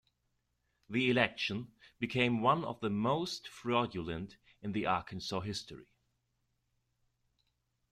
The election became one of the most fraudulent in Arkansas' history.